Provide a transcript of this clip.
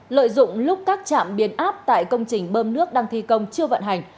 lợi dụng lúc các trạm biến áp tại công trình bơm nước đang thi công chưa vận hành